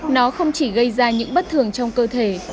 nó không chỉ gây ra những bất thường trong cơ thể